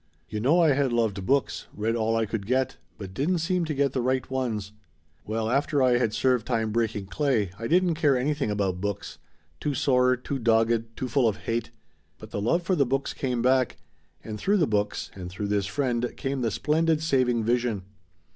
"You know I had loved books read all I could get but didn't seem to get the right ones. Well, after I had served time breaking clay I didn't care anything about books too sore, too dogged, too full of hate. But the love for the books came back, and through the books, and through this friend, came the splendid saving vision.